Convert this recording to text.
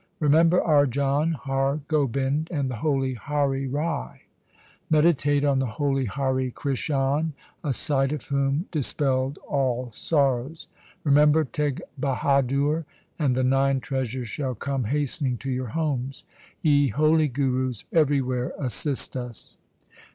Remember Arjan, Har Gobind, and the holy Hari Rai ; Meditate on the holy Hari Krishan, a sight of whom dis pelled all sorrows. Remember Teg Bahadur and the nine treasures shall come hastening to your homes. Ye holy Gurus, everywhere assist us